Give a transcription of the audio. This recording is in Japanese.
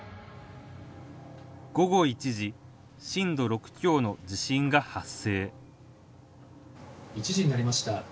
午後１時震度６強の地震が発生１時になりました。